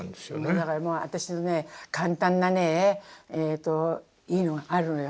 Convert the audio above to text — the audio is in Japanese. だからもう私のね簡単なねいいのがあるのよ。